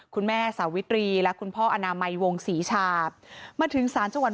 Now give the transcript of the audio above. สาวิตรีและคุณพ่ออนามัยวงศรีชามาถึงศาลจังหวัด